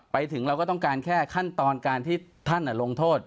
ไปถึงเราก็ต้องการแค่ขั้นตอนการที่ท่านลงโทษ